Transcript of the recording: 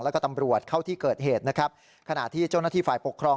แล้วก็ตำรวจเข้าที่เกิดเหตุนะครับขณะที่เจ้าหน้าที่ฝ่ายปกครอง